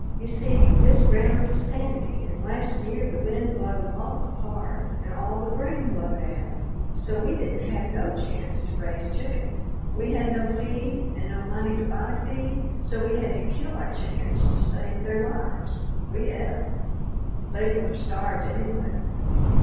You see this ground is sandy, and last year the wind blowed awful hard and all the grain blowed out, so we didn't have no chance to raise chickens. We had no feed and no money to buy feed, so we had to kill our chickens to save their lives. We et 'em. They would have starved anyway."